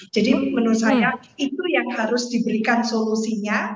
jadi menurut saya itu yang harus diberikan solusinya